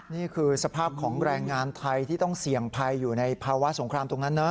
นี่คือสภาพของแรงงานไทยที่ต้องเสี่ยงภัยอยู่ในภาวะสงครามตรงนั้นนะ